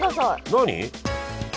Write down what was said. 何？